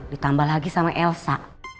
ditambah lagi sama elsa